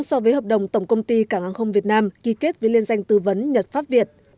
so với hợp đồng tổng công ty cảng hàng không việt nam ký kết với liên danh tư vấn nhật pháp việt